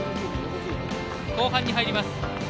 後半に入ります。